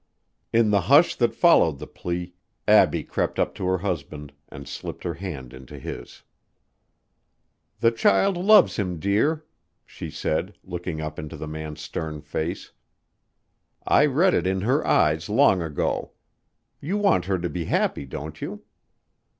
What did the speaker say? In the hush that followed the plea, Abbie crept up to her husband and slipped her hand into his. "The child loves him, dear," she said, looking up into the man's stern face. "I read it in her eyes long ago. You want her to be happy, don't you?"